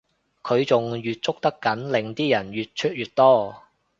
佢仲越捉得緊令啲人越出越多